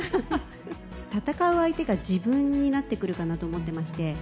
戦う相手が自分になってくるかなと思ってまして。